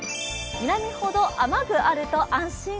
南ほど雨具あると安心。